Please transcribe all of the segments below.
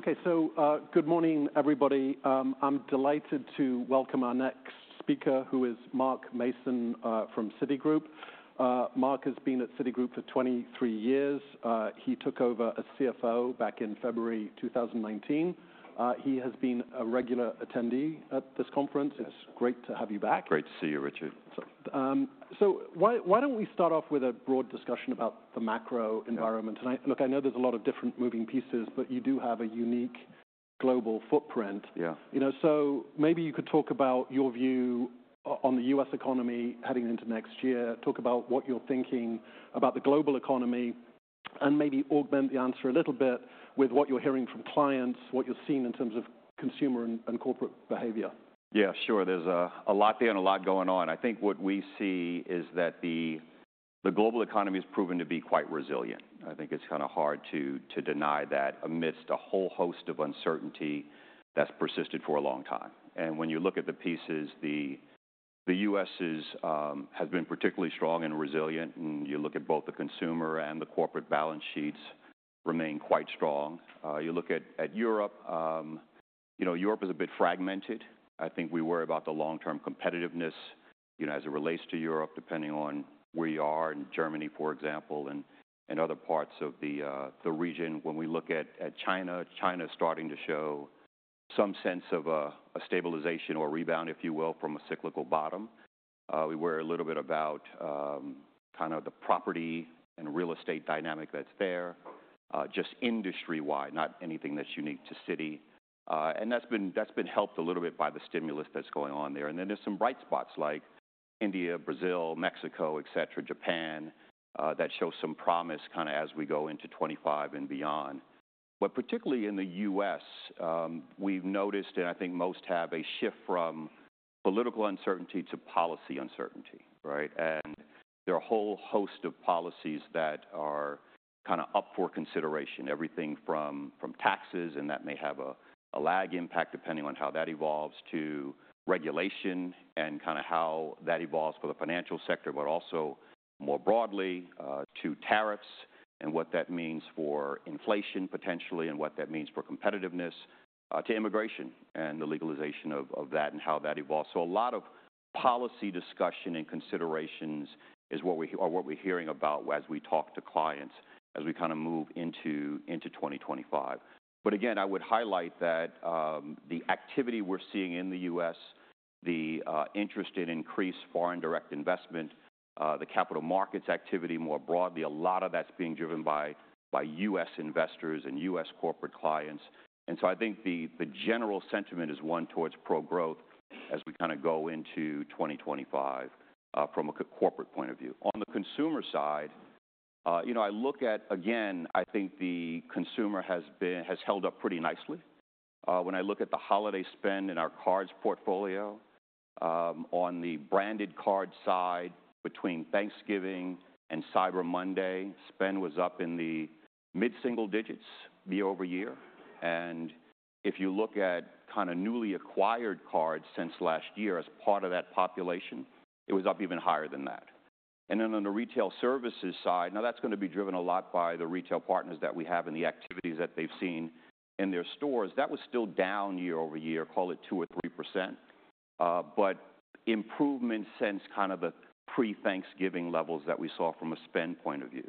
Okay, so, good morning, everybody. I'm delighted to welcome our next speaker, who is Mark Mason, from Citigroup. Mark has been at Citigroup for 23 years. He took over as CFO back in February 2019. He has been a regular attendee at this conference. It's great to have you back. Great to see you, Richard. So, why don't we start off with a broad discussion about the macro environment? And, look, I know there's a lot of different moving pieces, but you do have a unique global footprint. Yeah. You know, so maybe you could talk about your view on the U.S. economy heading into next year, talk about what you're thinking about the global economy, and maybe augment the answer a little bit with what you're hearing from clients, what you're seeing in terms of consumer and corporate behavior. Yeah, sure. There's a lot there and a lot going on. I think what we see is that the global economy has proven to be quite resilient. I think it's kind of hard to deny that amidst a whole host of uncertainty that's persisted for a long time, and when you look at the pieces, the U.S. has been particularly strong and resilient, and you look at both the consumer and the corporate balance sheets remain quite strong, you look at Europe, you know, Europe is a bit fragmented. I think we worry about the long-term competitiveness, you know, as it relates to Europe, depending on where you are in Germany, for example, and other parts of the region. When we look at China, China's starting to show some sense of a stabilization or rebound, if you will, from a cyclical bottom. We worry a little bit about, kind of the property and real estate dynamic that's there, just industry-wide, not anything that's unique to Citi. And that's been helped a little bit by the stimulus that's going on there. And then there's some bright spots like India, Brazil, Mexico, etc., Japan, that show some promise kind of as we go into 2025 and beyond. But particularly in the U.S., we've noticed, and I think most have a shift from political uncertainty to policy uncertainty, right? And there are a whole host of policies that are kind of up for consideration, everything from taxes, and that may have a lag impact depending on how that evolves, to regulation and kind of how that evolves for the financial sector, but also more broadly, to tariffs and what that means for inflation potentially and what that means for competitiveness, to immigration and the legalization of that and how that evolves. So a lot of policy discussion and considerations is what we hear, or what we're hearing about as we talk to clients as we kind of move into 2025. But again, I would highlight that, the activity we're seeing in the U.S., the interest in increased foreign direct investment, the capital markets activity more broadly, a lot of that's being driven by U.S. investors and U.S. corporate clients. And so I think the general sentiment is one towards pro-growth as we kind of go into 2025, from a corporate point of view. On the consumer side, you know, I look at, again, I think the consumer has held up pretty nicely. When I look at the holiday spend in our cards portfolio, on the branded card side between Thanksgiving and Cyber Monday, spend was up in the mid-single digits year-over-year. And if you look at kind of newly acquired cards since last year as part of that population, it was up even higher than that. And then on the Retail Services side, now that's gonna be driven a lot by the retail partners that we have and the activities that they've seen in their stores. That was still down year-over-year, call it 2% or 3%. But improvement since kind of the pre-Thanksgiving levels that we saw from a spend point of view.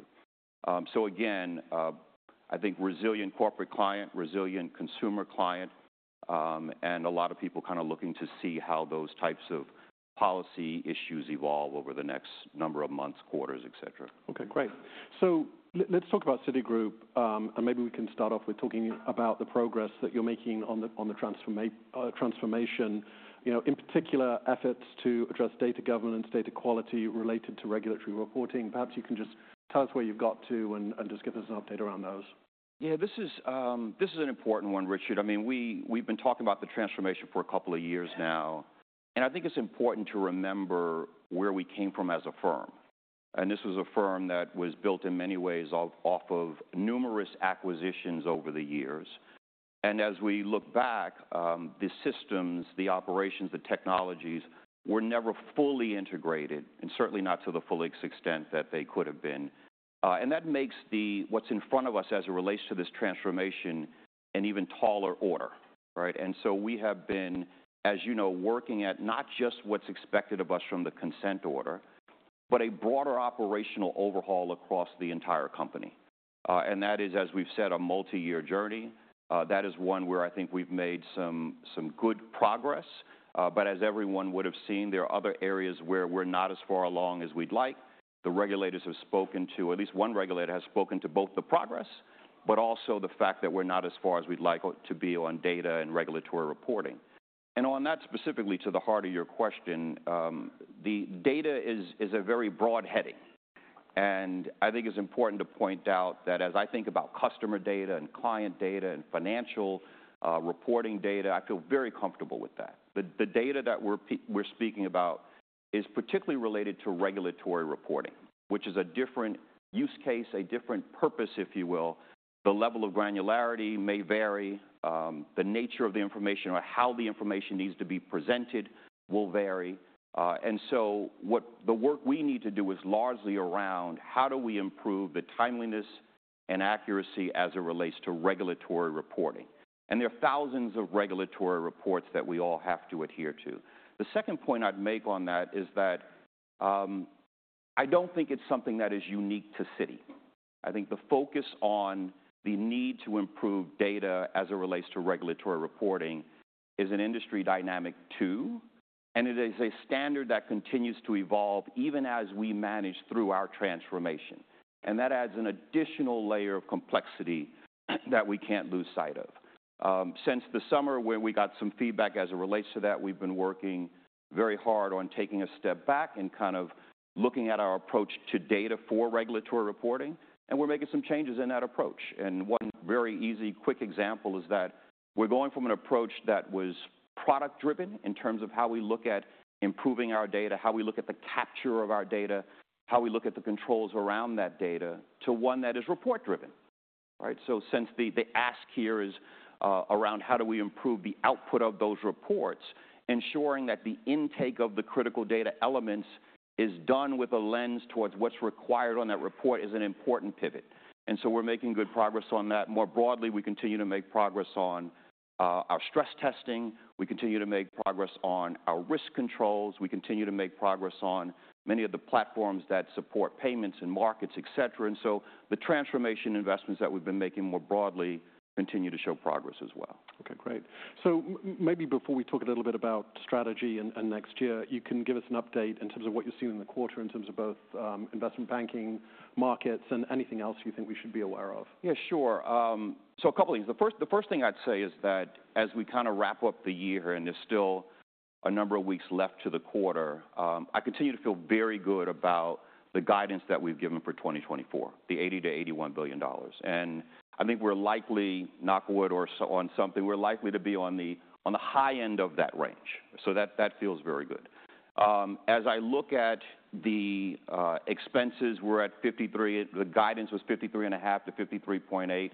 So again, I think resilient corporate client, resilient consumer client, and a lot of people kind of looking to see how those types of policy issues evolve over the next number of months, quarters, etc. Okay, great. So, let's talk about Citigroup, and maybe we can start off with talking about the progress that you're making on the, on the transformation, you know, in particular efforts to address data governance, data quality related to regulatory reporting. Perhaps you can just tell us where you've got to and, and just give us an update around those. Yeah, this is, this is an important one, Richard. I mean, we, we've been talking about the transformation for a couple of years now, and I think it's important to remember where we came from as a firm. This was a firm that was built in many ways off of numerous acquisitions over the years. As we look back, the systems, the operations, the technologies were never fully integrated and certainly not to the full extent that they could have been. That makes the, what's in front of us as it relates to this transformation an even taller order, right? So we have been, as you know, working at not just what's expected of us from the Consent Order, but a broader operational overhaul across the entire company. That is, as we've said, a multi-year journey. That is one where I think we've made some good progress. But as everyone would've seen, there are other areas where we're not as far along as we'd like. The regulators have, at least one regulator has spoken to both the progress, but also the fact that we're not as far as we'd like to be on data and regulatory reporting. And on that specifically to the heart of your question, the data is a very broad heading. And I think it's important to point out that as I think about customer data and client data and financial reporting data, I feel very comfortable with that. The data that we're speaking about is particularly related to regulatory reporting, which is a different use case, a different purpose, if you will. The level of granularity may vary. The nature of the information or how the information needs to be presented will vary. And so what the work we need to do is largely around how do we improve the timeliness and accuracy as it relates to regulatory reporting. And there are thousands of regulatory reports that we all have to adhere to. The second point I'd make on that is that, I don't think it's something that is unique to Citi. I think the focus on the need to improve data as it relates to regulatory reporting is an industry dynamic too, and it is a standard that continues to evolve even as we manage through our transformation. And that adds an additional layer of complexity that we can't lose sight of. Since the summer when we got some feedback as it relates to that, we've been working very hard on taking a step back and kind of looking at our approach to data for regulatory reporting, and we're making some changes in that approach, and one very easy, quick example is that we're going from an approach that was product-driven in terms of how we look at improving our data, how we look at the capture of our data, how we look at the controls around that data to one that is report-driven, right? So since the ask here is around how do we improve the output of those reports, ensuring that the intake of the critical data elements is done with a lens towards what's required on that report is an important pivot, and so we're making good progress on that. More broadly, we continue to make progress on our stress testing. We continue to make progress on our risk controls. We continue to make progress on many of the platforms that support payments and markets, etc. And so the transformation investments that we've been making more broadly continue to show progress as well. Okay, great. So maybe before we talk a little bit about strategy and next year, you can give us an update in terms of what you've seen in the quarter in terms of both investment banking markets and anything else you think we should be aware of. Yeah, sure. So a couple of things. The first, the first thing I'd say is that as we kind of wrap up the year and there's still a number of weeks left to the quarter, I continue to feel very good about the guidance that we've given for 2024, the $80 billion-$81 billion. And I think we're likely knock on wood to be on the high end of that range. So that feels very good. As I look at the expenses, we're at $53, the guidance was $53.5-$53.8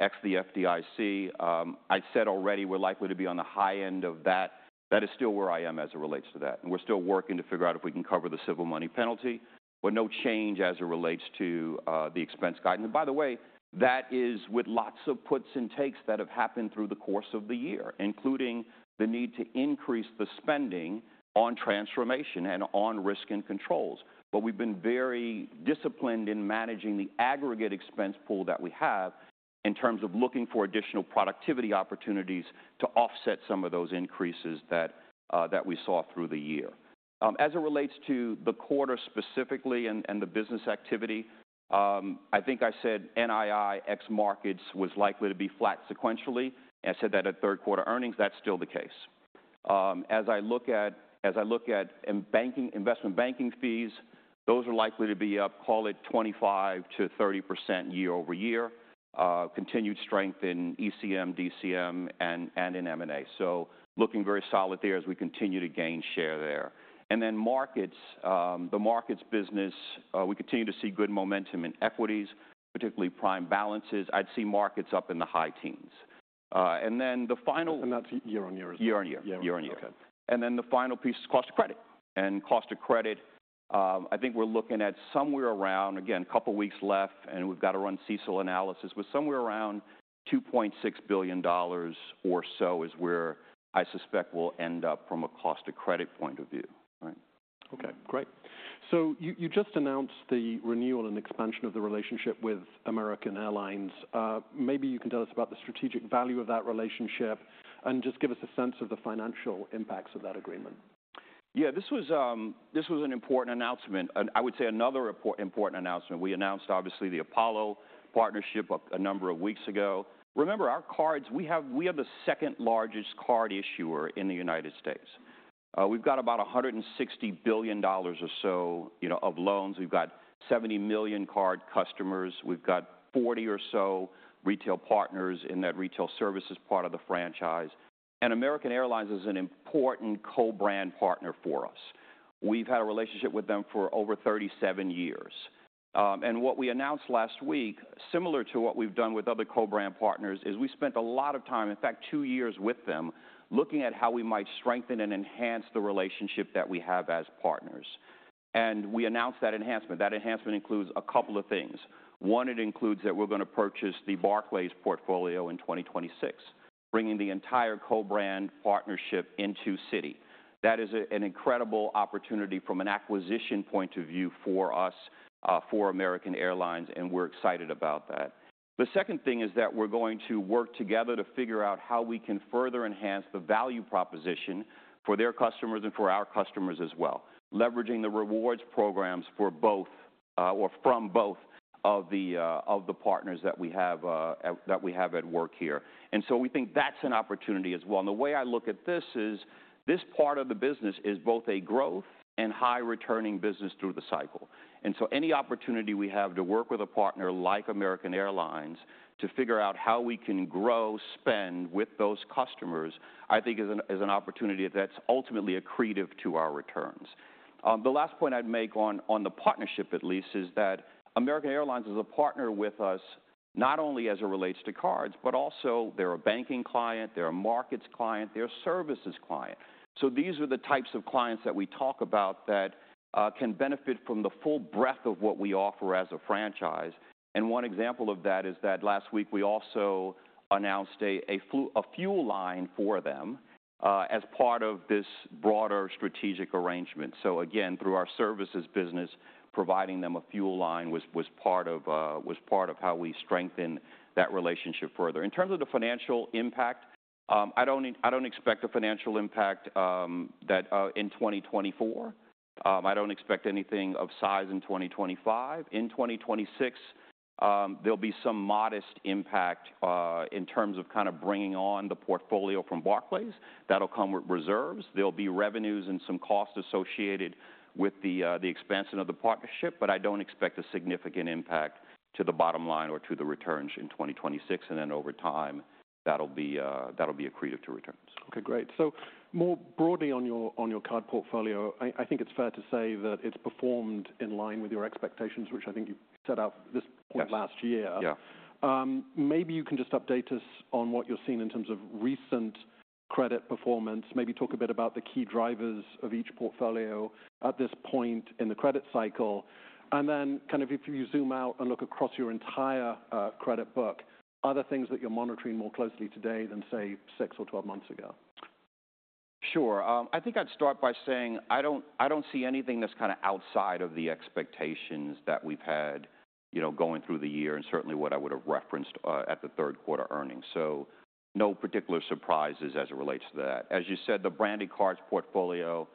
ex the FDIC. I said already we're likely to be on the high end of that. That is still where I am as it relates to that. We're still working to figure out if we can cover the civil money penalty, but no change as it relates to the expense guidance. By the way, that is with lots of puts and takes that have happened through the course of the year, including the need to increase the spending on transformation and on risk and controls. We've been very disciplined in managing the aggregate expense pool that we have in terms of looking for additional productivity opportunities to offset some of those increases that we saw through the year. As it relates to the quarter specifically and the business activity, I think I said NII ex markets was likely to be flat sequentially. I said that at third quarter earnings; that's still the case. As I look at banking, investment banking fees, those are likely to be up, call it 25%-30% year-over-year, continued strength in ECM, DCM, and in M&A. So looking very solid there as we continue to gain share there. And then markets, the markets business, we continue to see good momentum in equities, particularly prime balances. I'd see markets up in the high teens. And then the final. That's year on year as well. Year on year. Yeah. Year on year. Okay. Then the final piece is cost of credit. Cost of credit, I think we're looking at somewhere around, again, a couple of weeks left, and we've gotta run CECL analysis with somewhere around $2.6 billion or so is where I suspect we'll end up from a cost of credit point of view, right? Okay, great. So you just announced the renewal and expansion of the relationship with American Airlines. Maybe you can tell us about the strategic value of that relationship and just give us a sense of the financial impacts of that agreement. Yeah, this was an important announcement. And I would say another important announcement. We announced obviously the Apollo partnership a number of weeks ago. Remember our cards, we have, we are the second largest card issuer in the United States. We've got about $160 billion or so, you know, of loans. We've got 70 million card customers. We've got 40 or so retail partners in that Retail Services part of the franchise. And American Airlines is an important co-brand partner for us. We've had a relationship with them for over 37 years. And what we announced last week, similar to what we've done with other co-brand partners, is we spent a lot of time, in fact, two years with them looking at how we might strengthen and enhance the relationship that we have as partners. And we announced that enhancement. That enhancement includes a couple of things. One, it includes that we're gonna purchase the Barclays portfolio in 2026, bringing the entire co-brand partnership into Citi. That is an incredible opportunity from an acquisition point of view for us, for American Airlines, and we're excited about that. The second thing is that we're going to work together to figure out how we can further enhance the value proposition for their customers and for our customers as well, leveraging the rewards programs for both, or from both of the partners that we have at work here. And so we think that's an opportunity as well. And the way I look at this is this part of the business is both a growth and high returning business through the cycle. And so any opportunity we have to work with a partner like American Airlines to figure out how we can grow spend with those customers, I think is an opportunity that's ultimately accretive to our returns. The last point I'd make on the partnership at least is that American Airlines is a partner with us not only as it relates to cards, but also they're a banking client, they're a markets client, they're a services client. So these are the types of clients that we talk about that can benefit from the full breadth of what we offer as a franchise. And one example of that is that last week we also announced a fuel line for them, as part of this broader strategic arrangement. Again, through our services business, providing them a fuel line was part of how we strengthen that relationship further. In terms of the financial impact, I don't expect the financial impact in 2024. I don't expect anything of size in 2025. In 2026, there'll be some modest impact, in terms of kind of bringing on the portfolio from Barclays. That'll come with reserves. There'll be revenues and some costs associated with the expansion of the partnership, but I don't expect a significant impact to the bottom line or to the returns in 2026. Then over time, that'll be accretive to returns. Okay, great. So more broadly on your card portfolio, I think it's fair to say that it's performed in line with your expectations, which I think you set out this point last year. Yeah. Maybe you can just update us on what you've seen in terms of recent credit performance, maybe talk a bit about the key drivers of each portfolio at this point in the credit cycle, and then kind of if you zoom out and look across your entire credit book, are there things that you're monitoring more closely today than, say, six or 12 months ago? Sure. I think I'd start by saying I don't see anything that's kind of outside of the expectations that we've had, you know, going through the year and certainly what I would've referenced at the third quarter earnings. So no particular surprises as it relates to that. As you said, the Branded Cards portfolio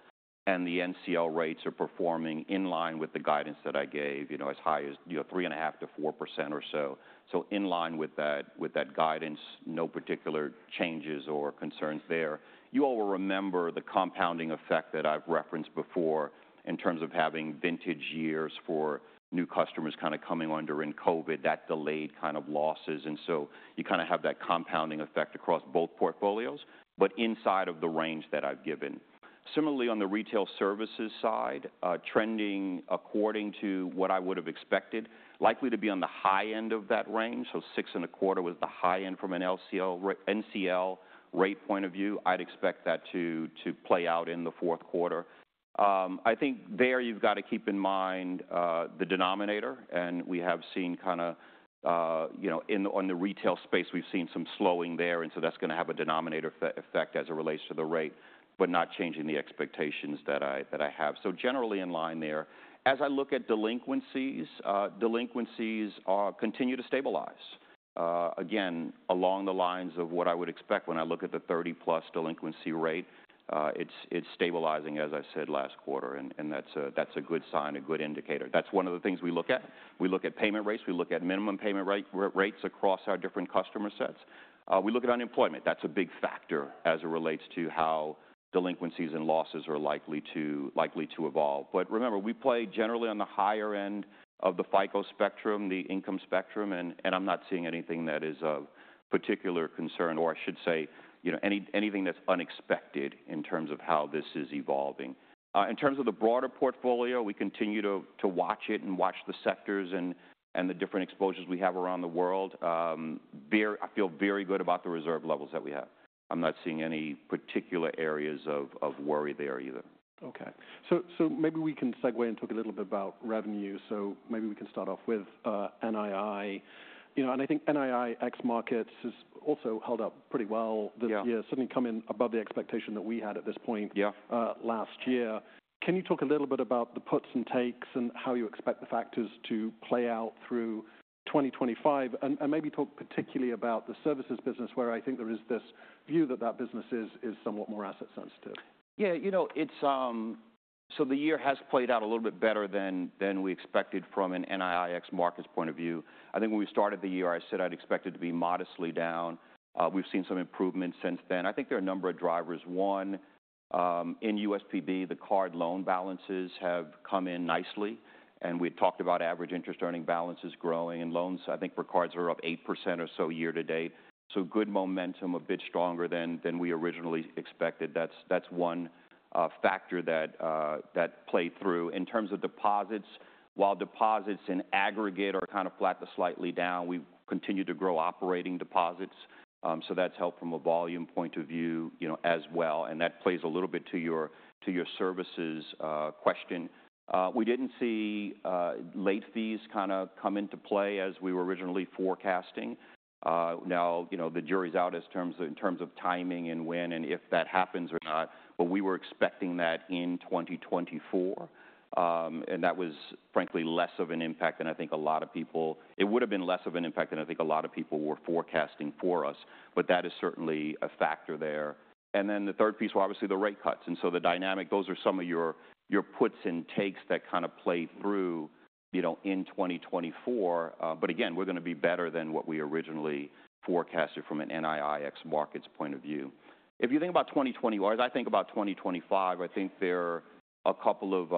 and the NCL rates are performing in line with the guidance that I gave, you know, as high as, you know, three and a half to 4% or so. So in line with that guidance, no particular changes or concerns there. You all will remember the compounding effect that I've referenced before in terms of having vintage years for new customers kind of coming under in COVID, that delayed kind of losses. And so you kind of have that compounding effect across both portfolios, but inside of the range that I've given. Similarly, on the Retail Services side, trending according to what I would've expected, likely to be on the high end of that range. So 6.25% was the high end from an NCL rate point of view. I'd expect that to play out in the fourth quarter. I think there you've gotta keep in mind the denominator, and we have seen kind of, you know, in the, on the retail space, we've seen some slowing there. And so that's gonna have a denominator effect as it relates to the rate, but not changing the expectations that I have. So generally in line there, as I look at delinquencies, delinquencies are continuing to stabilize. Again, along the lines of what I would expect when I look at the 30+ delinquency rate, it's stabilizing, as I said last quarter. And that's a good sign, a good indicator. That's one of the things we look at. We look at payment rates, we look at minimum payment rates across our different customer sets. We look at unemployment. That's a big factor as it relates to how delinquencies and losses are likely to evolve. But remember, we play generally on the higher end of the FICO spectrum, the income spectrum, and I'm not seeing anything that is of particular concern or I should say, you know, anything that's unexpected in terms of how this is evolving. In terms of the broader portfolio, we continue to watch it and watch the sectors and the different exposures we have around the world. I feel very good about the reserve levels that we have. I'm not seeing any particular areas of worry there either. Okay. So maybe we can segue and talk a little bit about revenue. So maybe we can start off with NII, you know, and I think NII ex markets has also held up pretty well. Yeah. This year certainly came in above the expectation that we had at this point. Yeah. Last year. Can you talk a little bit about the puts and takes and how you expect the factors to play out through 2025? And maybe talk particularly about the services business where I think there is this view that that business is somewhat more asset sensitive. Yeah, you know, it's so the year has played out a little bit better than, than we expected from an NII ex markets point of view. I think when we started the year, I said I'd expected to be modestly down. We've seen some improvement since then. I think there are a number of drivers. One, in USPB, the card loan balances have come in nicely. And we had talked about average interest earning balances growing and loans, I think for cards are up 8% or so year to date. So good momentum, a bit stronger than, than we originally expected. That's, that's one factor that, that played through. In terms of deposits, while deposits in aggregate are kind of flat to slightly down, we've continued to grow operating deposits. So that's helped from a volume point of view, you know, as well. And that plays a little bit to your, to your services, question. We didn't see late fees kind of come into play as we were originally forecasting. Now, you know, the jury's out as terms of, in terms of timing and when and if that happens or not, but we were expecting that in 2024. And that was frankly less of an impact than I think a lot of people, it would've been less of an impact than I think a lot of people were forecasting for us, but that is certainly a factor there. And then the third piece were obviously the rate cuts. And so the dynamic, those are some of your, your puts and takes that kind of play through, you know, in 2024. But again, we're gonna be better than what we originally forecasted from an NII ex markets point of view. If you think about 2020, or as I think about 2025, I think there are a couple of,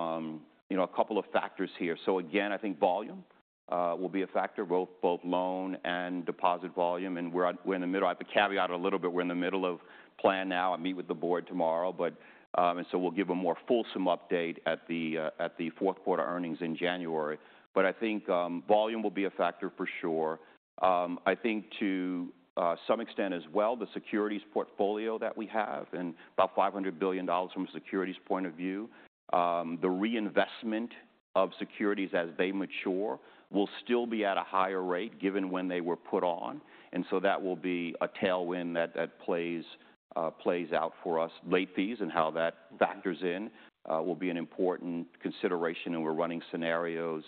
you know, a couple of factors here. So again, I think volume will be a factor, both loan and deposit volume. And we're in the middle. I have to caveat it a little bit. We're in the middle of plan now. I meet with the board tomorrow, but and so we'll give a more fulsome update at the fourth quarter earnings in January. But I think volume will be a factor for sure. I think to some extent as well, the securities portfolio that we have and about $500 billion from a securities point of view, the reinvestment of securities as they mature will still be at a higher rate given when they were put on. That will be a tailwind that plays out for us. Late fees and how that factors in will be an important consideration in when we're running scenarios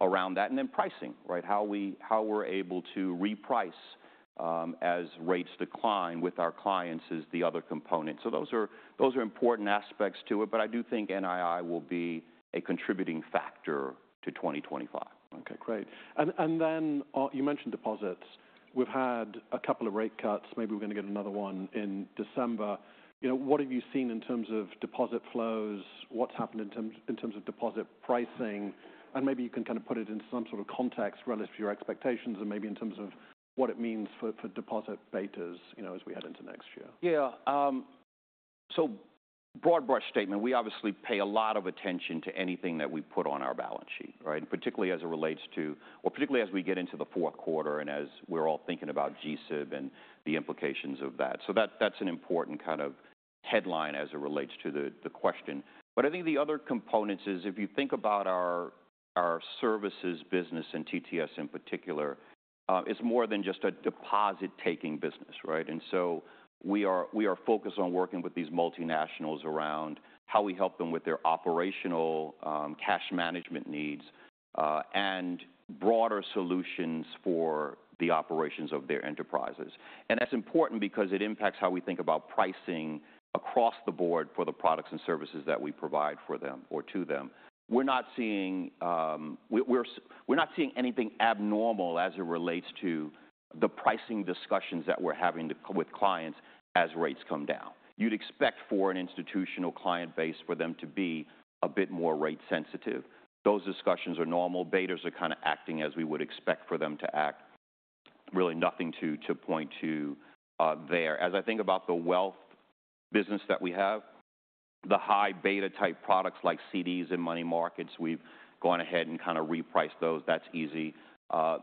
around that. Then pricing, right? How we're able to reprice as rates decline with our clients is the other component. Those are important aspects to it, but I do think NII will be a contributing factor to 2025. Okay, great. And, and then, you mentioned deposits. We've had a couple of rate cuts. Maybe we're gonna get another one in December. You know, what have you seen in terms of deposit flows? What's happened in terms, in terms of deposit pricing? And maybe you can kind of put it in some sort of context relative to your expectations and maybe in terms of what it means for, for deposit betas, you know, as we head into next year. Yeah. So broad brush statement, we obviously pay a lot of attention to anything that we put on our balance sheet, right? And particularly as it relates to, or particularly as we get into the fourth quarter and as we're all thinking about GSIB and the implications of that. So that, that's an important kind of headline as it relates to the question. But I think the other components is if you think about our services business and TTS in particular, it's more than just a deposit taking business, right? And so we are focused on working with these multinationals around how we help them with their operational, cash management needs, and broader solutions for the operations of their enterprises. And that's important because it impacts how we think about pricing across the board for the products and services that we provide for them or to them. We're not seeing anything abnormal as it relates to the pricing discussions that we're having with clients as rates come down. You'd expect for an institutional client base for them to be a bit more rate sensitive. Those discussions are normal. Betas are kind of acting as we would expect for them to act. Really nothing to point to there. As I think about the wealth business that we have, the high beta type products like CDs and money markets, we've gone ahead and kind of repriced those. That's easy.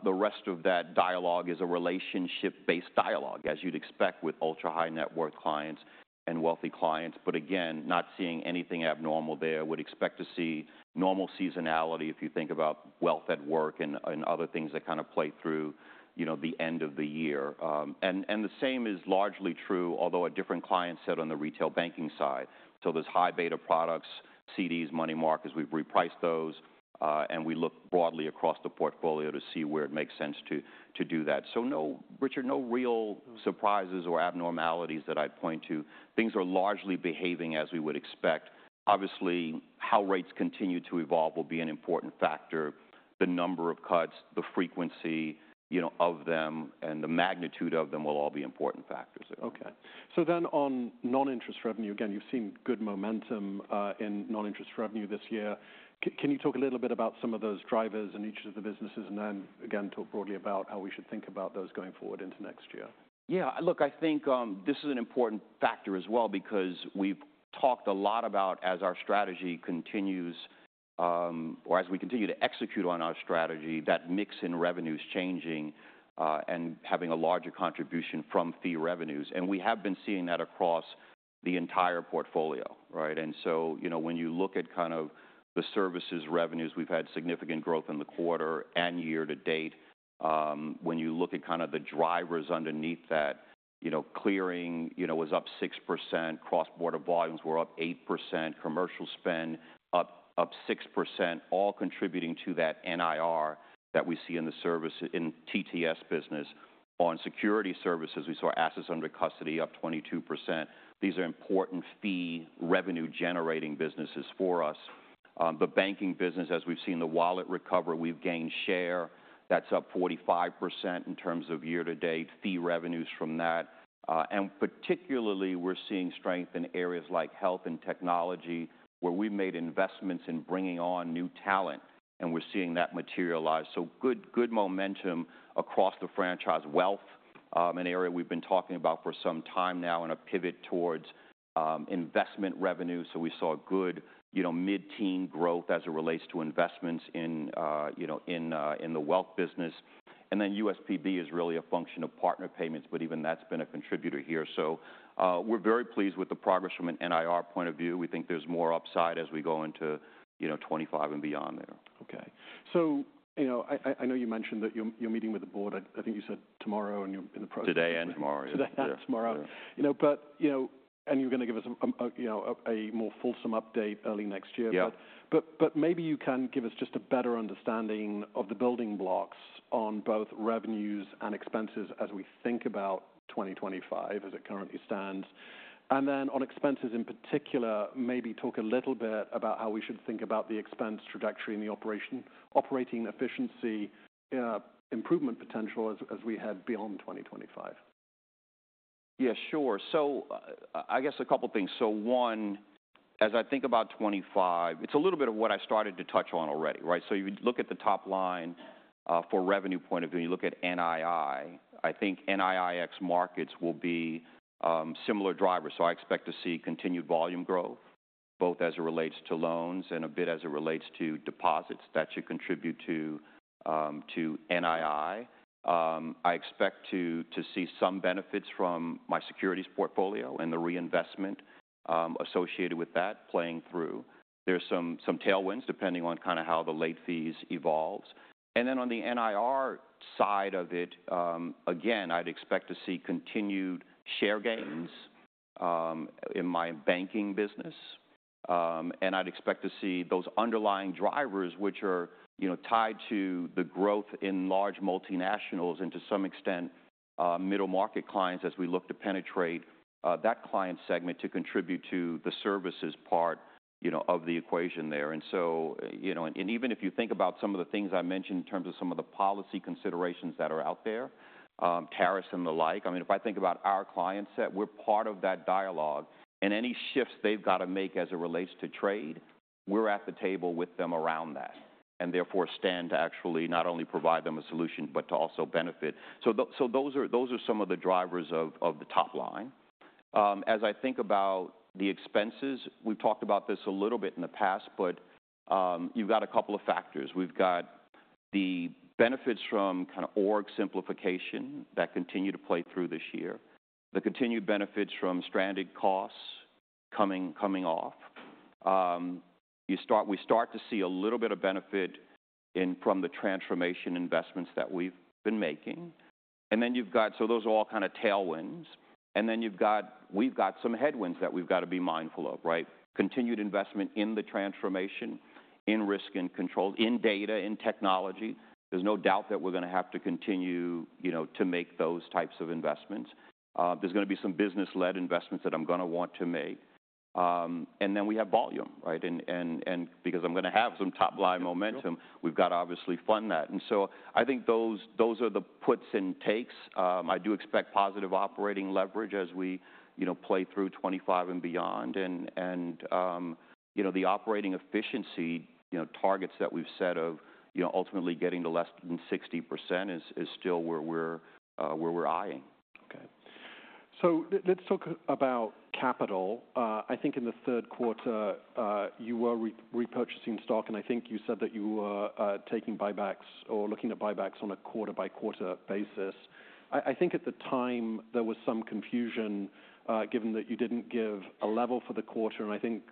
The rest of that dialogue is a relationship-based dialogue, as you'd expect with ultra high net worth clients and wealthy clients. But again, not seeing anything abnormal there. Would expect to see normal seasonality if you think about Wealth at Work and other things that kind of play through, you know, the end of the year. And the same is largely true, although a different client set on the retail banking side. So there's high beta products, CDs, money markets. We've repriced those, and we look broadly across the portfolio to see where it makes sense to do that. So no, Richard, no real surprises or abnormalities that I'd point to. Things are largely behaving as we would expect. Obviously, how rates continue to evolve will be an important factor. The number of cuts, the frequency, you know, of them and the magnitude of them will all be important factors there. Okay. So then on non-interest revenue, again, you've seen good momentum in non-interest revenue this year. Can you talk a little bit about some of those drivers in each of the businesses and then again, talk broadly about how we should think about those going forward into next year? Yeah. Look, I think, this is an important factor as well because we've talked a lot about as our strategy continues, or as we continue to execute on our strategy, that mix in revenues changing, and having a larger contribution from fee revenues. And we have been seeing that across the entire portfolio, right? And so, you know, when you look at kind of the services revenues, we've had significant growth in the quarter and year to date. When you look at kind of the drivers underneath that, you know, clearing was up 6%. Cross border volumes were up 8%. Commercial spend up 6%, all contributing to that NII that we see in the services, in TTS business. On Securities Services, we saw assets under custody up 22%. These are important fee revenue generating businesses for us. The banking business, as we've seen the wallet recover, we've gained share. That's up 45% in terms of year to date, fee revenues from that. And particularly we're seeing strength in areas like health and technology where we've made investments in bringing on new talent and we're seeing that materialize. So good, good momentum across the franchise wealth, an area we've been talking about for some time now and a pivot towards investment revenue. So we saw good, you know, mid-teen growth as it relates to investments in, you know, in, in the wealth business. And then USPB is really a function of partner payments, but even that's been a contributor here. So, we're very pleased with the progress from an NIR point of view. We think there's more upside as we go into, you know, 2025 and beyond there. Okay. You know, I know you mentioned that you're meeting with the board. I think you said tomorrow and you're in the process. Today and tomorrow. Today, tomorrow. You know, but you know, and you're gonna give us a more fulsome update early next year. Yeah. But maybe you can give us just a better understanding of the building blocks on both revenues and expenses as we think about 2025 as it currently stands. And then on expenses in particular, maybe talk a little bit about how we should think about the expense trajectory and the operating efficiency, improvement potential as we head beyond 2025. Yeah, sure. So, I guess a couple things. So one, as I think about 2025, it's a little bit of what I started to touch on already, right? So you look at the top line, for revenue point of view, you look at NII. I think NII ex markets will be similar drivers. So I expect to see continued volume growth, both as it relates to loans and a bit as it relates to deposits that should contribute to NII. I expect to see some benefits from my securities portfolio and the reinvestment associated with that playing through. There's some tailwinds depending on kind of how the late fees evolves. And then on the NIR side of it, again, I'd expect to see continued share gains in my banking business. And I'd expect to see those underlying drivers, which are, you know, tied to the growth in large multinationals and to some extent, middle market clients as we look to penetrate that client segment to contribute to the services part, you know, of the equation there. And so, you know, and even if you think about some of the things I mentioned in terms of some of the policy considerations that are out there, tariffs and the like, I mean, if I think about our client set, we're part of that dialogue. And any shifts they've gotta make as it relates to trade, we're at the table with them around that and therefore stand to actually not only provide them a solution, but to also benefit. So those are some of the drivers of the top line. As I think about the expenses, we've talked about this a little bit in the past, but you've got a couple of factors. We've got the benefits from kind of org simplification that continue to play through this year. The continued benefits from stranded costs coming off. We start to see a little bit of benefit from the transformation investments that we've been making, so those are all kind of tailwinds. We've got some headwinds that we've gotta be mindful of, right? Continued investment in the transformation, in risk and control, in data, in technology. There's no doubt that we're gonna have to continue, you know, to make those types of investments. There's gonna be some business-led investments that I'm gonna want to make, and then we have volume, right? And because I'm gonna have some top line momentum, we've gotta obviously fund that. And so I think those are the puts and takes. I do expect positive operating leverage as we, you know, play through 2025 and beyond. And you know, the operating efficiency, you know, targets that we've set of, you know, ultimately getting to less than 60% is still where we're eyeing. Okay. So let's talk about capital. I think in the third quarter, you were repurchasing stock and I think you said that you were taking buybacks or looking at buybacks on a quarter-by-quarter basis. I think at the time there was some confusion, given that you didn't give a level for the quarter. And I think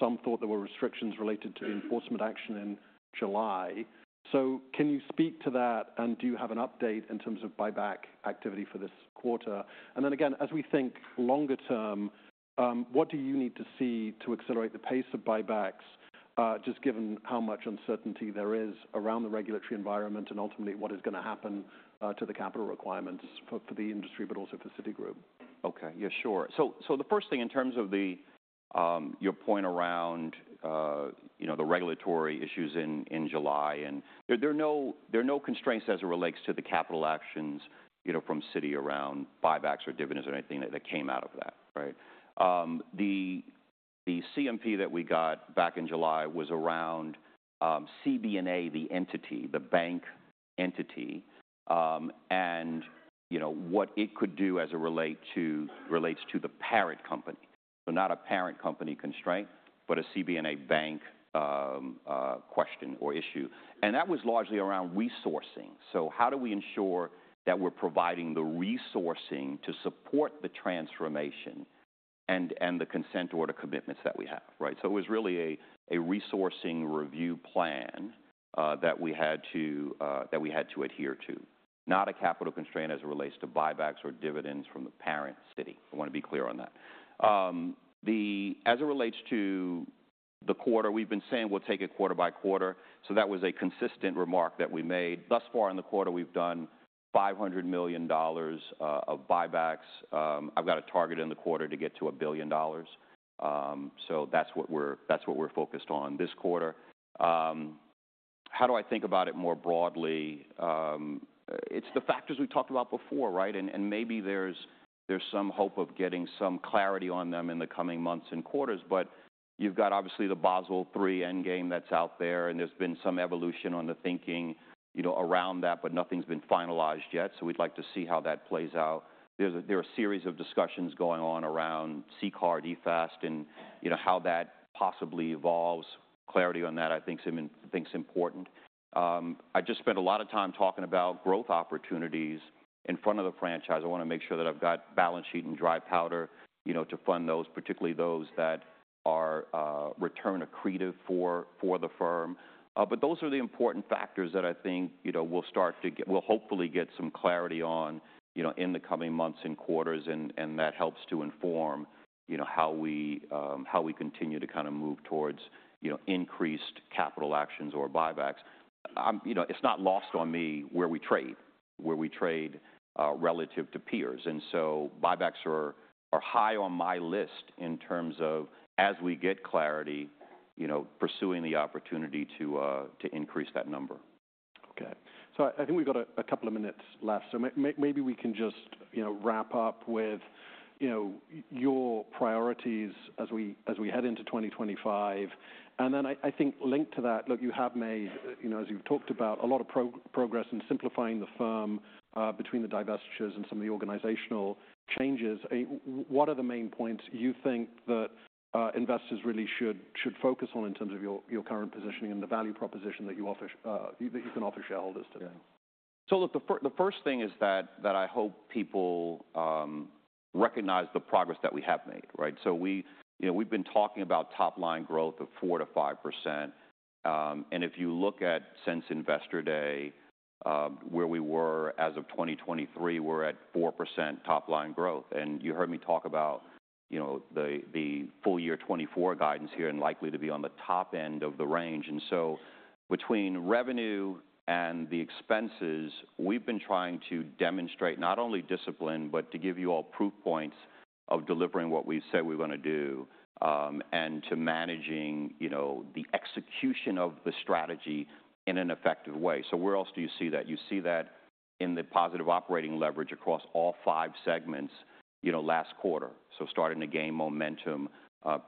some thought there were restrictions related to the enforcement action in July. So can you speak to that and do you have an update in terms of buyback activity for this quarter? And then again, as we think longer term, what do you need to see to accelerate the pace of buybacks, just given how much uncertainty there is around the regulatory environment and ultimately what is gonna happen to the capital requirements for the industry, but also for Citigroup? Okay. Yeah, sure. The first thing in terms of your point around, you know, the regulatory issues in July and there are no constraints as it relates to the capital actions, you know, from Citi around buybacks or dividends or anything that came out of that, right? The CMP that we got back in July was around CBNA, the entity, the bank entity, and, you know, what it could do as it relates to the parent company. Not a parent company constraint, but a CBNA bank question or issue. That was largely around resourcing. How do we ensure that we're providing the resourcing to support the transformation and the consent order commitments that we have, right? So it was really a resourcing review plan that we had to adhere to. Not a capital constraint as it relates to buybacks or dividends from the parent Citi. I wanna be clear on that. As it relates to the quarter, we've been saying we'll take it quarter by quarter. So that was a consistent remark that we made. Thus far in the quarter, we've done $500 million of buybacks. I've got a target in the quarter to get to $1 billion. So that's what we're focused on this quarter. How do I think about it more broadly? It's the factors we talked about before, right? And maybe there's some hope of getting some clarity on them in the coming months and quarters. But you've got obviously the Basel III Endgame that's out there and there's been some evolution on the thinking, you know, around that, but nothing's been finalized yet. So we'd like to see how that plays out. There are a series of discussions going on around CCAR, DFAST, and, you know, how that possibly evolves. Clarity on that, I think, them. I think it's important. I just spent a lot of time talking about growth opportunities in front of the franchise. I wanna make sure that I've got balance sheet and dry powder, you know, to fund those, particularly those that are, return accretive for, for the firm. But those are the important factors that I think, you know, we'll start to get, we'll hopefully get some clarity on, you know, in the coming months and quarters. That helps to inform, you know, how we continue to kind of move towards, you know, increased capital actions or buybacks. But I'm, you know, it's not lost on me where we trade relative to peers. And so buybacks are high on my list in terms of as we get clarity, you know, pursuing the opportunity to increase that number. Okay. So I think we've got a couple of minutes left. So maybe we can just, you know, wrap up with, you know, your priorities as we head into 2025. And then I think linked to that, look, you have made, you know, as you've talked about a lot of progress in simplifying the firm, between the divestitures and some of the organizational changes. I mean, what are the main points you think that investors really should focus on in terms of your current positioning and the value proposition that you offer, that you can offer shareholders today? Yeah. So look, the first thing is that I hope people recognize the progress that we have made, right? So we, you know, we've been talking about top line growth of 4%-5%. And if you look at since Investor Day, where we were as of 2023, we're at 4% top line growth. And you heard me talk about, you know, the full year 2024 guidance here and likely to be on the top end of the range. And so between revenue and the expenses, we've been trying to demonstrate not only discipline, but to give you all proof points of delivering what we say we're gonna do, and to managing, you know, the execution of the strategy in an effective way. So where else do you see that? You see that in the positive operating leverage across all five segments, you know, last quarter. Starting to gain momentum,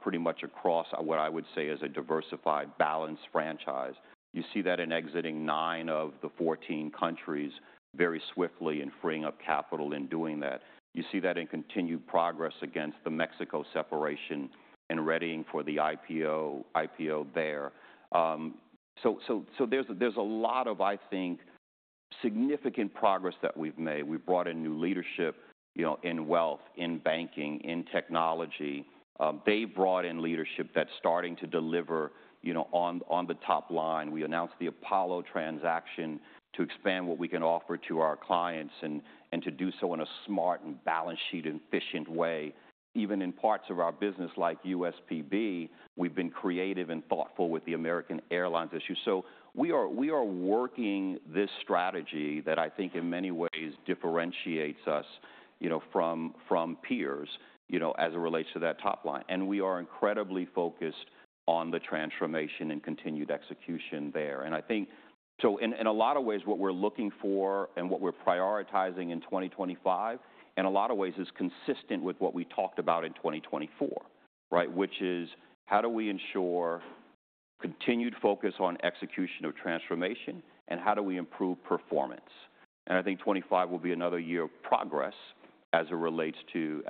pretty much across what I would say is a diversified balanced franchise. You see that in exiting nine of the 14 countries very swiftly and freeing up capital in doing that. You see that in continued progress against the Mexico separation and readying for the IPO there. So there's a lot of, I think, significant progress that we've made. We've brought in new leadership, you know, in wealth, in banking, in technology. They've brought in leadership that's starting to deliver, you know, on the top line. We announced the Apollo transaction to expand what we can offer to our clients and to do so in a smart and balance sheet efficient way. Even in parts of our business like USPB, we've been creative and thoughtful with the American Airlines issue. We are working this strategy that I think in many ways differentiates us, you know, from peers, you know, as it relates to that top line. We are incredibly focused on the transformation and continued execution there. I think so, in a lot of ways, what we're looking for and what we're prioritizing in 2025, in a lot of ways, is consistent with what we talked about in 2024, right? Which is how do we ensure continued focus on execution of transformation and how do we improve performance? I think 2025 will be another year of progress as it relates to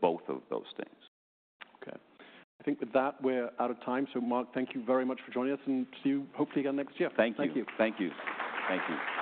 both of those things. Okay. I think with that, we're out of time. So Mark, thank you very much for joining us and see you hopefully again next year. Thank you. Thank you. Thank you. Thank you.